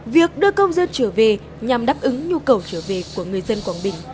việc đưa công dân trở về nhằm đáp ứng nhu cầu trở về của người dân quảng bình